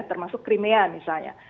termasuk crimea misalnya